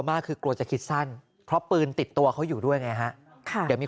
มากคือกลัวจะคิดสั้นเพราะปืนติดตัวเขาอยู่ด้วยไงฮะค่ะเดี๋ยวมี